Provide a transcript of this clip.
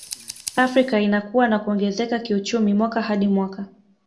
Afrika inakua na kuongezeka kiuchumi mwaka hadi mwaka